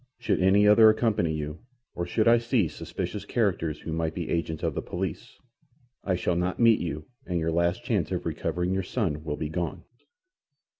"Should any other accompany you, or should I see suspicious characters who might be agents of the police, I shall not meet you, and your last chance of recovering your son will be gone."